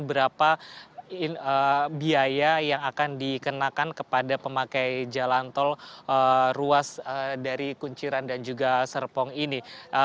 berapa biaya yang akan dikenakan kepada pemakai jalan tol ruas dari kunciran dan juga serpong ini